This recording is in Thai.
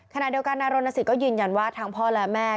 ขณะเดียวกันนายรณสิทธิก็ยืนยันว่าทั้งพ่อและแม่